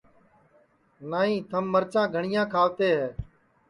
نائی تھم مَرچا گھٹیا کھاوتے ہے